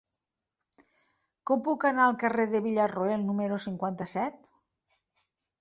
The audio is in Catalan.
Com puc anar al carrer de Villarroel número cinquanta-set?